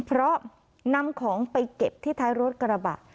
เพราะนำของไปเก็บที่ท้ายรถกระบะ